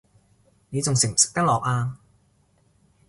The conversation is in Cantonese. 你仲食唔食得落呀